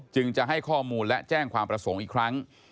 จึงจะให้ข้อมูลและแจ้งความประสงค์อีกครั้ง